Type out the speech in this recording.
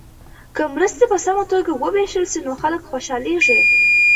که مرستې په سمه توګه وویشل سي نو خلک خوشحالیږي.